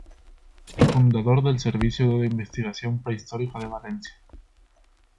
Fundador del Servicio de Investigación Prehistórica de Valencia.